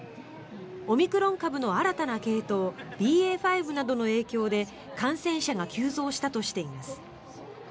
オミクロン株の新たな系統ＢＡ．５などの影響で感染者が急増したとしています。